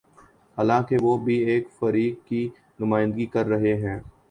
حالانکہ وہ بھی ایک فریق کی نمائندگی کر رہے ہیں۔